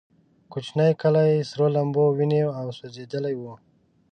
کوچنی کلی سرو لمبو ونیو او سوځېدلی و.